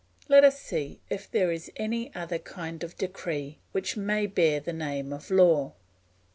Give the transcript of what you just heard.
Let us see if there is any other kind of decree which may bear the name of law.